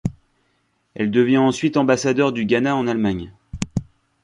Elle devient ensuite Ambassadeur du Ghana en Allemagne.